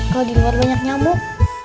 kalau di luar banyak nyamuk